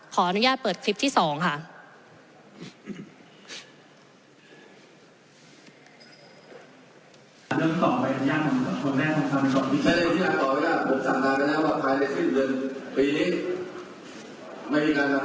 ขออนุญาตเปิดคลิปที่๒ค่ะ